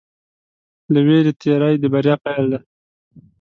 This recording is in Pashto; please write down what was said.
له وېرې تېری د بریا پيل دی.